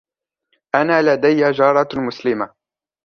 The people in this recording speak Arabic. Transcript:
أنا لدي جارة مسلمة.